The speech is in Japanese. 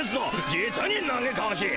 実になげかわしい。